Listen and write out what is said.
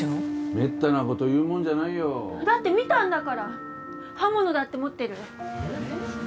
めったなこと言うもんじゃないよだって見たんだから刃物だって持ってるえっ？